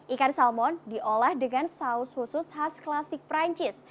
ikan salmon diolah dengan saus khusus khas klasik perancis